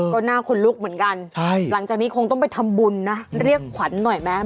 ก็หน้าคนลุกเหมือนกันหลังจากนี้คงต้องไปทำบุญนะเรียกขวัญหน่อยไหม